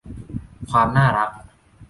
ความน่ารัก